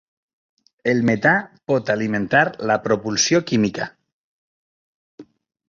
El metà pot alimentar la propulsió química.